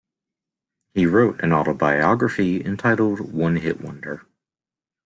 He wrote an autobiography, entitled "One Hit Wonder".